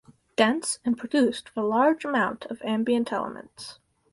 Dense and produced with a large amount of ambient elements.